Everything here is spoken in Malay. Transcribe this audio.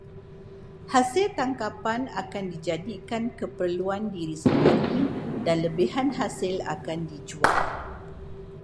Hasil tangkapan akan dijadikan keperluan diri sendiri dan lebihan hasil akan dijual.